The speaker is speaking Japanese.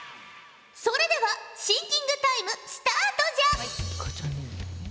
それではシンキングタイムスタートじゃ！